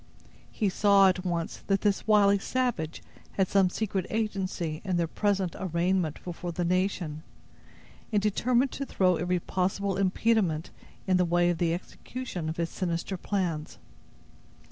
He saw, at once, that this wily savage had some secret agency in their present arraignment before the nation, and determined to throw every possible impediment in the way of the execution of his sinister plans.